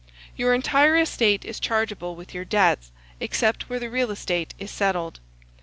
Your entire estate is chargeable with your debts, except where the real estate is settled.